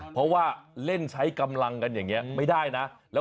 เพราะว่าเล่นใช้กำลังยังไงไม่ได้นะ